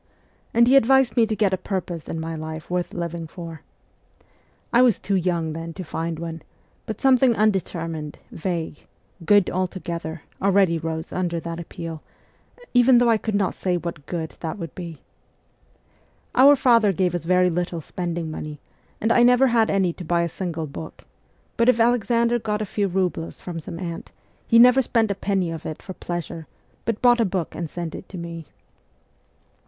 And he advised me to get a purpose in my life worth living for. I was too young then to find one ; but something' undetermined, vague, ' good ' altogether, already rose under that appeal, even though I could not say what that ' good ' would be. Our father gave us very little spending money, and I never had any to buy a single book ; but if Alexander got a few roubles from some aunt, he never spent a penny of it for pleasure, but bought a book and sent it to me.